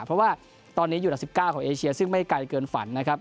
เพราะว่าตอนนี้อยู่อันดับ๑๙ของเอเชียซึ่งไม่ไกลเกินฝันนะครับ